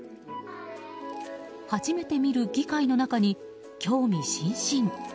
初めて見る議会の中に興味津々。